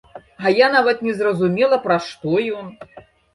А я нават не зразумела, пра што ён!